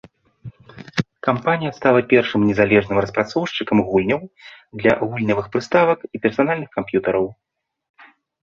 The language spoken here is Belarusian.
Кампанія стала першым незалежным распрацоўшчыкам гульняў для гульнявых прыставак і персанальных камп'ютараў.